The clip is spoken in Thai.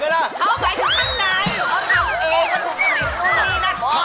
เขาหมายถึงข้างในเขาทำเอง